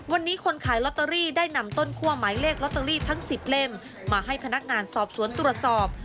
วันนี้คนขายลอตเตอรี่ได้นำต้นคั่วหมายเลขลอตเตอรี่ทั้ง๑๐เล่มมาให้พนักงานสอบสวนตรวจสอบ